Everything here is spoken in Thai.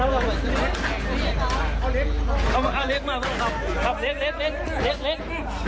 อ่าเล็กมากครับครับเล็ก